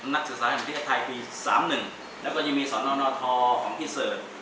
นักศึกษาแห่งพิธีไทยปี๓๑แล้วก็ยังมีสอนอนอทอของพี่เสิร์ต